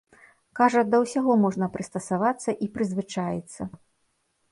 Кажа, да ўсяго можна прыстасавацца і прызвычаіцца.